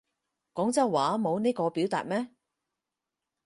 廣州話冇呢個表達咩